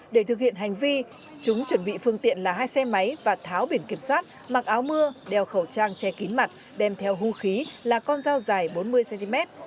để thực hiện hành vi chúng chuẩn bị phương tiện là hai xe máy và tháo biển kiểm soát mặc áo mưa đeo khẩu trang che kín mặt đem theo hưu khí là con dao dài bốn mươi cm